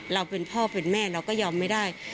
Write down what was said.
เราเป็นพ่อเป็นแม่เราก็ยอมไม่ได้